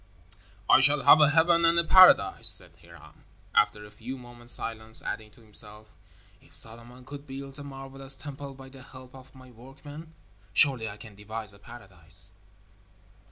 "I shall have a heaven and a paradise," said Hiram, after a few moments' silence, adding to himself: "If Solomon could build a marvelous temple by the help of my workmen, surely I can devise a paradise."